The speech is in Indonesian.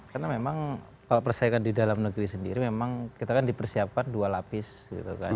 karena memang kalau persaingan di dalam negeri sendiri memang kita kan dipersiapkan dua lapis gitu kan